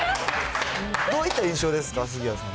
どういった印象ですか、杉谷さん。